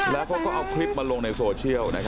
แล้วเขาก็เอาคลิปมาลงในโซเชียล